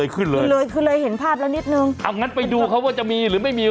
โอ้ยขึ้นเลยขึ้นเลยเพราะฉะนั้นไปดูเขาว่าจะมีหรือไม่มี